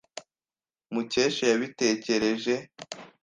Mukesha yabitekereje.